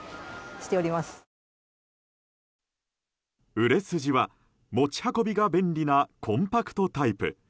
売れ筋は持ち運びが便利なコンパクトタイプ。